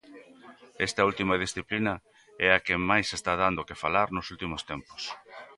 Esta última disciplina é a que máis está dando que falar nos últimos tempos.